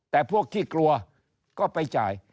แต่พวกที่กลัวก็ไปจ่าย